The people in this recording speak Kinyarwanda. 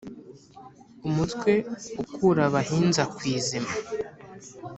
umutwe ukura abahinza ku izima.